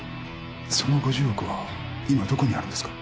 その５０億は今どこにあるんですか？